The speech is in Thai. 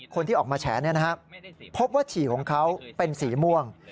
คนที่ออกมาแฉพบว่าฉี่ของเขาเป็นสีม่วง